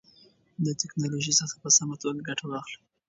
د تکنالوژۍ څخه په سمه توګه ګټه واخلئ.